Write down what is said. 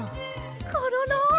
コロロ！